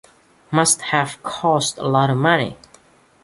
Must have cost a lot of money.